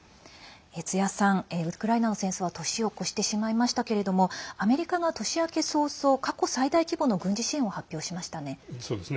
津屋さん、ウクライナの戦争は年を越してしまいましたけれどもアメリカが年明け早々過去最大規模の軍事支援を発表しましたね。